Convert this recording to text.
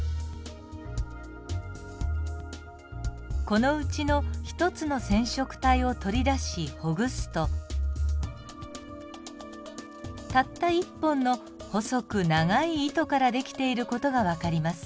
このうちの１つの染色体を取り出しほぐすとたった１本の細く長い糸から出来ている事が分かります。